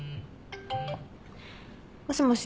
もしもし？